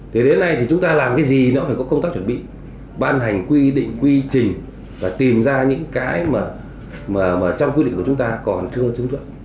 thế đến nay thì chúng ta làm cái gì nữa phải có công tác chuẩn bị ban hành quy định quy trình và tìm ra những cái mà trong quy định của chúng ta còn chưa chứng chuẩn